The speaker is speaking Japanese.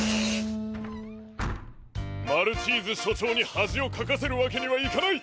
マルチーズしょちょうにはじをかかせるわけにはいかない！